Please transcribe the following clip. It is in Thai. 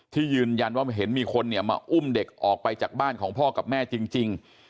ที่ยืนยันว่าเห็นมีคนเนี่ยมาอุ้มเด็กออกไปจากบ้านของพ่อกับแม่จริง